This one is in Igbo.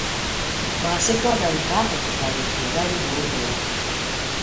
ma sịkwa na nke ahụ pụtàrà ìhè na ndụ ụmụ ya